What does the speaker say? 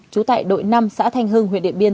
chú tải đội năm xã thanh hưng huyện điện biên